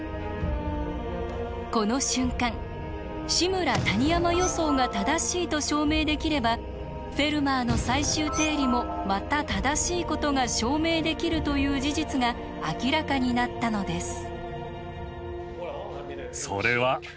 この瞬間「志村−谷山予想」が正しいと証明できれば「フェルマーの最終定理」もまた正しいことが証明できるという事実が明らかになったのです。